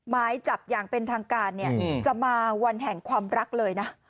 หมายจับอย่างเป็นทางการเนี่ยจะมาวันแห่งความรักเลยนะ